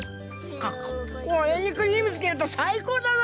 これにクリームつけると最高だな！